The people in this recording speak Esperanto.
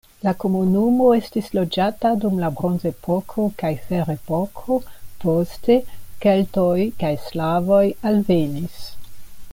La komunumo estis loĝata dum la bronzepoko kaj ferepoko, poste keltoj kaj slavoj alvenis.